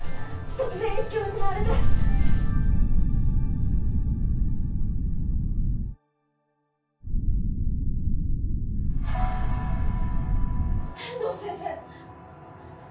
突然意識を失われて天堂先生！